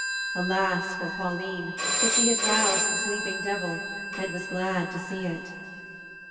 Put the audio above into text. Alas for Pauline that she had roused the sleeping devil, and was glad to see it!